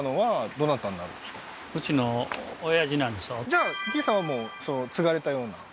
じゃあ喜一さんはもう継がれたような？